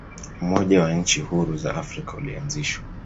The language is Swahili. umoja wa nchi huru za afrika ulianzishwa